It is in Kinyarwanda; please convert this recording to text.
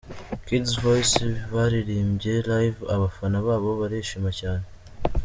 Kidz Voice baririmbye live abafana babo barishima cyane.